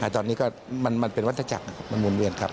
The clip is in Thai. ตอนนี้ก็มันเป็นวัฒนศักดิ์มันวนเวียนครับ